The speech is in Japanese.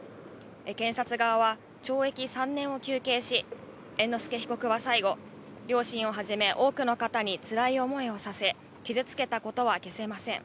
検察側は懲役３年を求刑し、猿之助被告は最後、両親をはじめ、多くの方につらい思いをさせ、傷つけたことは消せません。